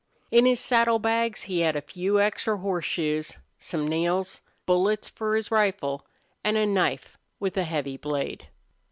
In his saddle bags he had a few extra horseshoes, some nails, bullets for his rifle, and a knife with a heavy blade.